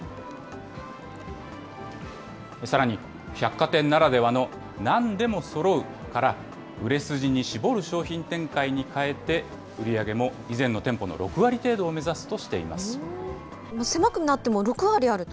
さらに、百貨店ならではの、なんでもそろうから、売れ筋に絞る商品展開に変えて、売り上げも以前の店舗の６割程度狭くなっても６割あると。